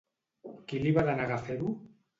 Qui li va denegar fer-ho?